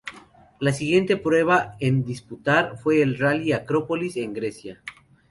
La siguiente prueba en disputar fue el Rally Acrópolis, en Grecia.